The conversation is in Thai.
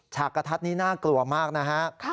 ฉกกระทัดนี้น่ากลัวมากนะฮะ